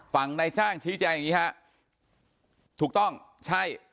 ในจ้างชี้แจงอย่างนี้ฮะถูกต้องใช่